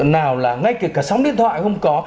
nào là ngay kể cả sóng điện thoại không có